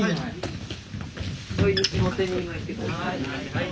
はい。